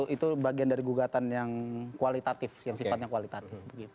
itu bagian dari gugatan yang kualitatif yang sifatnya kualitatif